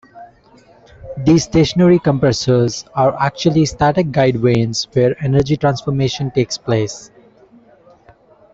These stationary compressors are actually static guide vanes where energy transformation takes place.